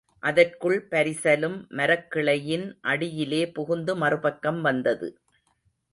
அதற்குள் பரிசலும் மரக்கிளையின் அடியிலே புகுந்து மறுபக்கம் வந்தது.